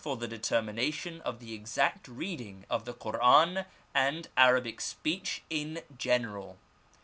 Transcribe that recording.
the determination of the exact reading of the Koran and Arabic speech in general.